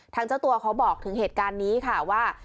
เจ้าตัวเขาบอกถึงเหตุการณ์นี้ค่ะว่า